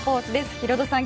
ヒロドさん